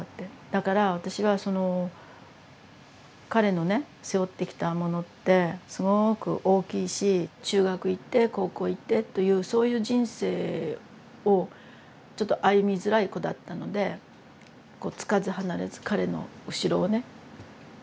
だから私はその彼のね背負ってきたものってすごく大きいし中学行って高校行ってというそういう人生をちょっと歩みづらい子だったのでこう付かず離れず彼の後ろをねいて。